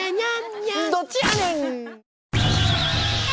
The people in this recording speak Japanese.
どっちやねん！